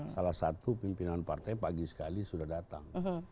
salah satu pimpinan partai pagi sekali sudah datang